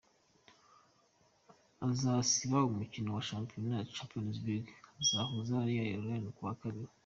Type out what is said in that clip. Azasiba umukino wa Champions League uzabahuza na Real Madrid ku wa Kabiri.